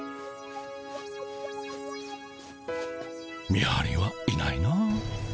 見はりはいないな。